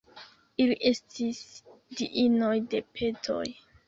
Ili estis diinoj de petoj.